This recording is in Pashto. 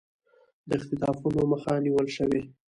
د اختطافونو مخه نیول شوې